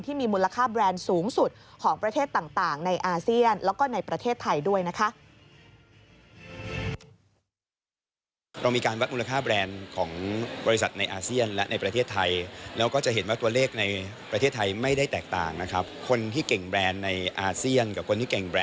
ที่มีมูลค่าแบรนด์สูงสุดของประเทศต่างในอาเซียน